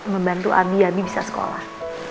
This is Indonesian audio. membantu abdi abdi bisa sekolah